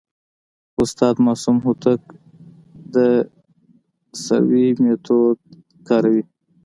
استاد معصوم هوتک د سروې میتود کاروي.